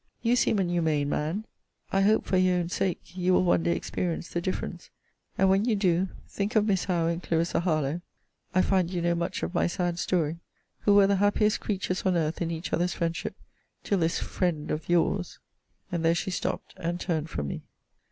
You seem an humane man: I hope, for your own sake, you will one day experience the difference: and, when you do, think of Miss Howe and Clarissa Harlowe, (I find you know much of my sad story,) who were the happiest creatures on earth in each other's friendship till this friend of your's' And there she stopt, and turned from me.